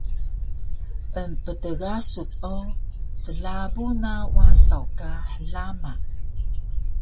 Emptgasuc o slabu na wasaw ka hlama